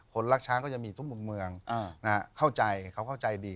รักช้างก็จะมีทุกมุมเมืองเข้าใจเขาเข้าใจดี